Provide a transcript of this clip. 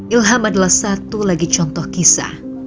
ilham adalah satu lagi contoh kisah